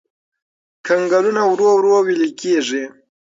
کنګلونه ورو ورو ويلي کېږي.